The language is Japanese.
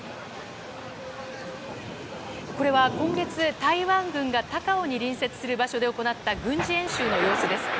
これは今月、台湾軍が高雄に隣接する場所で行った軍事演習の様子です。